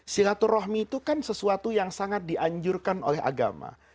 silaturahmi itu kan sesuatu yang sangat dianjurkan oleh agama